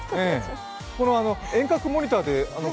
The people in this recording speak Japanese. この遠隔モニターで体